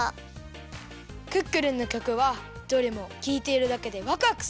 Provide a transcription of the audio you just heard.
クックルンのきょくはどれもきいているだけでワクワクするね。